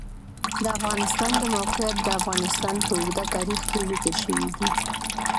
د افغانستان د موقعیت د افغانستان په اوږده تاریخ کې ذکر شوی دی.